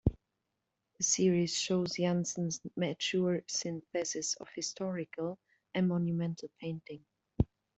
The series shows Janssens' mature synthesis of historical and monumental painting.